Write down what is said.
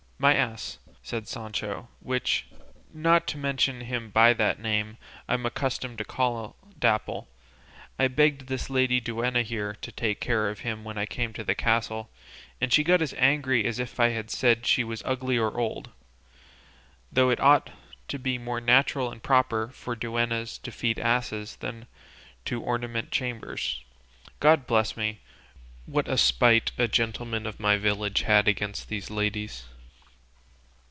"My ass," said Sancho, "which, not to mention him by that name, I'm accustomed to call Dapple; I begged this lady duenna here to take care of him when I came into the castle, and she got as angry as if I had said she was ugly or old, though it ought to be more natural and proper for duennas to feed asses than to ornament chambers. God bless me! what a spite a gentleman of my village had against these ladies!"